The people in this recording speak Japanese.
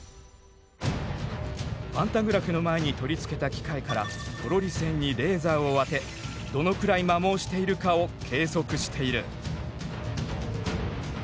パンタグラフの前に取りつけた機械からトロリ線にレーザーを当てどのくらい摩耗しているかを計測している。